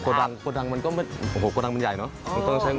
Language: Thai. ดังโกดังมันก็โอ้โหโกดังมันใหญ่เนอะ